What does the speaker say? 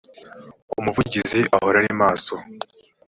umuvugizi ahora arimaso.